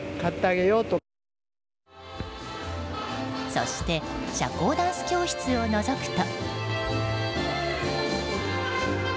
そして社交ダンス教室をのぞくと。